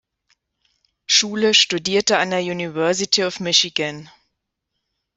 Schule studierte an der University of Michigan.